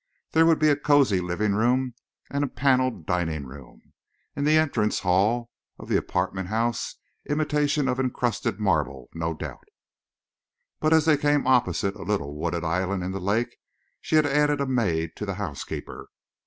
There would be a cosy living room and a paneled dining room. In the entrance hall of the apartment house, imitation of encrusted marble, no doubt. But as they came opposite a little wooded island in the lake she had added a maid to the housekeeper.